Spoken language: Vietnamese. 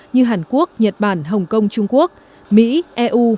như hàn quốc nhật bản hồng kông trung quốc mỹ eu